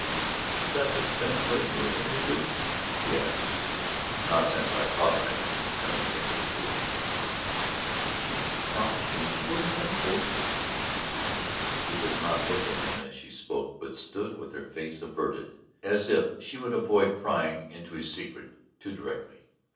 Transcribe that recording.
"Has she cut the fence lately over there, Duke?" she asked. "Not since I caught her at it. I don't think she'll do it again." "Did she promise you she wouldn't cut it, Duke?" She did not look at him as she spoke, but stood with her face averted, as if she would avoid prying into his secret too directly.